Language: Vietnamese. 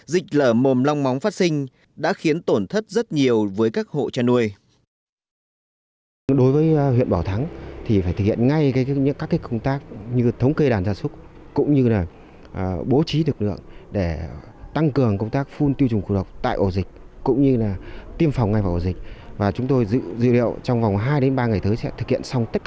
dịch lở mồm long móng phát sinh đã khiến tổn thất rất nhiều với các hộ trà nuôi